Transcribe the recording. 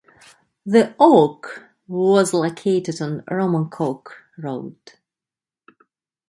The oak was located on Romancoke Road.